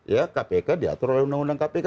ya kpk diatur oleh undang undang kpk